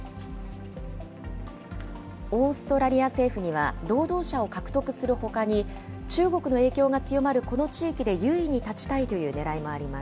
オーストラリア政府には、労働者を獲得するほかに、中国の影響が強まるこの地域で優位に立ちたいというねらいもあります。